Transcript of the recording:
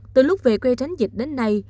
từ lúc về quê tránh dịch đến nay